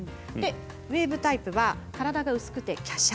ウエーブタイプは体が薄くてきゃしゃ。